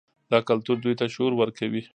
دا کلتور دوی ته شعور ورکوي.